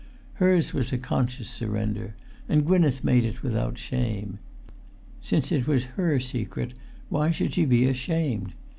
Hers was a conscious surrender, and Gwynneth made it without shame. Since it was her secret, why should she be ashamed?